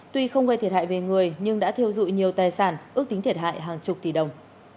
tuy không gây thiệt hại về người nhưng đã thiêu dụi nhiều tài sản ước tính thiệt hại hàng chục tỷ đồng